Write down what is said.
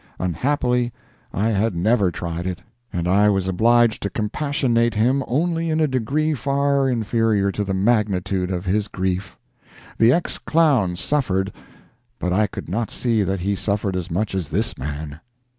Unhappily, I had never tried it, and I was obliged to compassionate him only in a degree far inferior to the magnitude of his grief. The ex clown suffered, but I could not see that he suffered as much as this man.